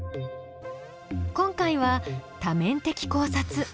今回は「多面的考察」。